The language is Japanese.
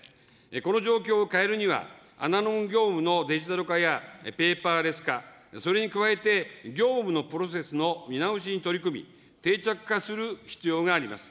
この状況を変えるには、アナログ業務のデジタル化やペーパーレス化、それに加えて業務のプロセスの見直しに取り組み、定着化する必要があります。